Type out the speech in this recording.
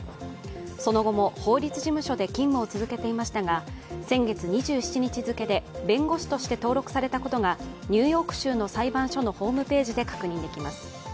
その後も法律事務所で勤務を続けていましたが、先月２７日付で弁護士として登録されたことがニューヨーク州の裁判所のホームページで確認できます。